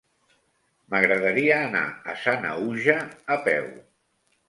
M'agradaria anar a Sanaüja a peu.